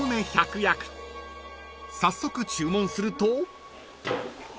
［早速注文すると］